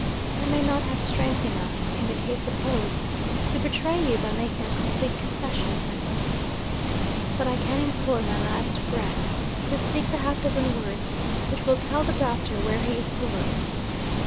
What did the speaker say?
I may not have strength enough, in the case supposed, to betray you by making a complete confession with my own lips; but I can employ my last breath to speak the half dozen words which will tell the doctor where he is to look.